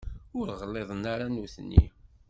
Ur ɣliḍen ara nutni.